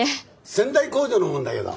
仙台工場の者だけど。